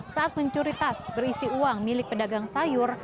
saat mencuri tas berisi uang milik pedagang sayur